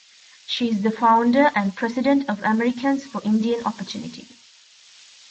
She is the founder and president of Americans for Indian Opportunity.